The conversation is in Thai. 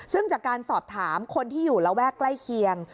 ซึ่งจากการสอบถามคนที่อยู่ระแวกใกล้เคียง